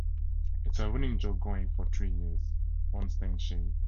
"It's a running joke going for three years," Ornstein said.